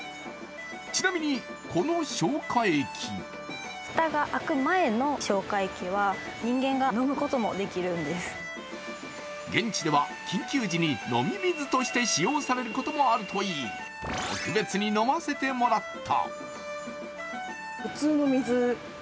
ちなみに、この消化液現地では緊急時に飲み水として使用されることもあるといい、特別に飲ませてもらった。